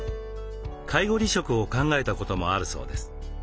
介護離職を考えたこともあるそうです。